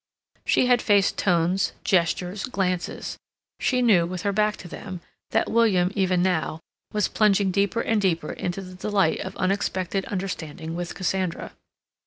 She had faced tones, gestures, glances; she knew, with her back to them, that William, even now, was plunging deeper and deeper into the delight of unexpected understanding with Cassandra.